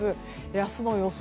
明日の予想